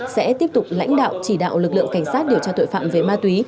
sẽ tiếp tục lãnh đạo chỉ đạo lực lượng cảnh sát điều tra tội phạm về ma túy